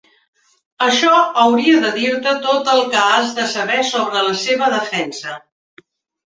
Això hauria de dir-te tot el que has de saber sobre la seva defensa.